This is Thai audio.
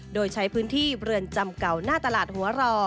โดยใช้พื้นที่เรือนจำเก่าหน้าตลาดหัวรอ